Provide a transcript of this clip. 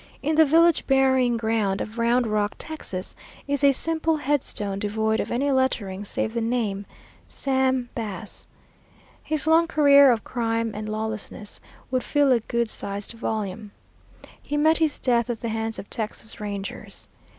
In the village burying ground of Round Rock, Texas, is a simple headstone devoid of any lettering save the name "Sam Bass." His long career of crime and lawlessness would fill a good sized volume. He met his death at the hands of Texas Rangers.